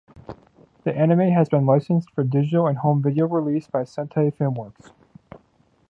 The anime has been licensed for digital and home video release by Sentai Filmworks.